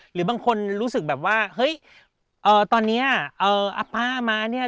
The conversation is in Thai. หรือบางคนรู้สึกแบบว่าเฮ้ยตอนนี้อาป้ามาเนี่ย